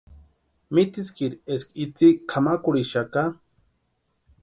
Mitiskiri eska itsï kʼamakurhixaka.